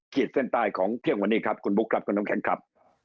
เส้นใต้ของเที่ยงวันนี้ครับคุณบุ๊คครับคุณน้ำแข็งครับ